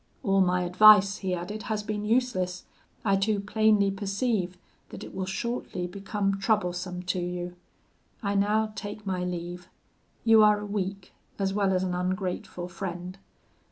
All my advice,' he added, 'has been useless; I too plainly perceive that it will shortly become troublesome to you. I now take my leave; you are a weak, as well as an ungrateful friend!